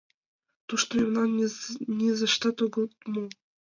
Тушто мемнам низаштат огыт му.